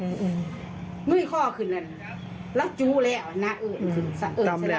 อื่นล่าวก็ไม่เห็นหรอกมันกาวชิรกรรมแล้ว